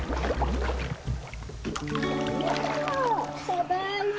ただいま。